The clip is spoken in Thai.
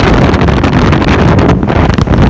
แต่ว่าเมืองนี้ก็ไม่เหมือนกับเมืองอื่น